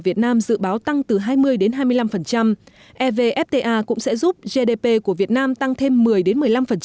việt nam dự báo tăng từ hai mươi đến hai mươi năm evfta cũng sẽ giúp gdp của việt nam tăng thêm một mươi một mươi năm